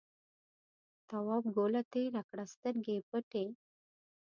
تواب گوله تېره کړه سترګې یې پټې.